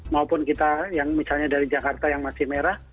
maupun kita yang misalnya dari jakarta yang masih merah